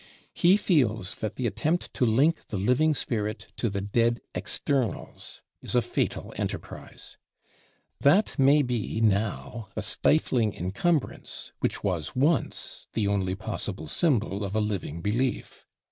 He feels that the attempt to link the living spirit to the dead externals is a fatal enterprise. That may be now a stifling incumbrance, which was once the only possible symbol of a living belief.